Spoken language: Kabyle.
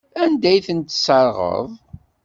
Anda ay ten-tesserɣeḍ?